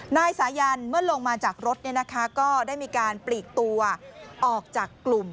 นายสายันเมื่อลงมาจากรถก็ได้มีการปลีกตัวออกจากกลุ่ม